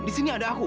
di sini ada aku